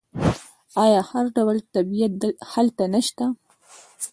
آیا هر ډول طبیعت هلته نشته؟